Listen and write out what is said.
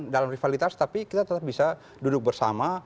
dalam rivalitas tapi kita tetap bisa duduk bersama